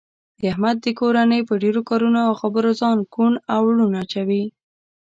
احمد د کورنۍ په ډېرو کارونو او خبرو ځان کوڼ او ړوند اچوي.